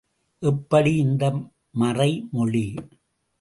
எப்படி இந்த மறைமொழி?